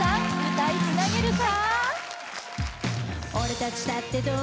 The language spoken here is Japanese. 歌いつなげるか？